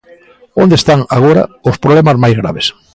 Onde están, agora, os problemas máis graves?